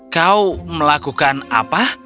kau melakukan apa